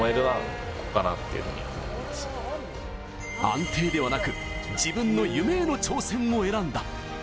安定ではなく、自分の夢への挑戦を選んだ。